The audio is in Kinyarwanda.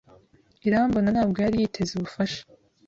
Irambona ntabwo yari yiteze ubufasha.